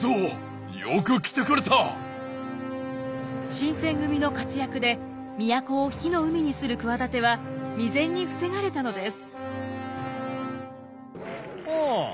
新選組の活躍で都を火の海にする企ては未然に防がれたのです。